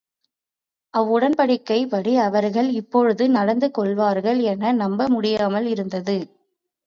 அவ்வுடன்படிக்கைப்படி அவர்கள் இப்பொழுது நடந்து கொள்வார்கள் என நம்ப முடியாமல் இருந்தது.